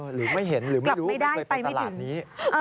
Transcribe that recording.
หรือไม่เห็นหรือไม่รู้ผมเคยไปตลาดนี้